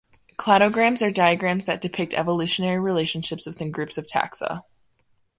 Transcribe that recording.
Cladograms are diagrams that depict evolutionary relationships within groups of taxa.